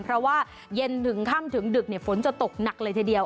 เพราะว่าเย็นถึงค่ำถึงดึกฝนจะตกหนักเลยทีเดียว